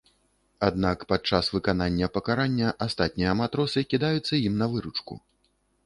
Аднак падчас выканання пакарання астатнія матросы кідаюцца ім на выручку.